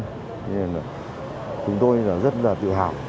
thế nên là chúng tôi rất là tự hào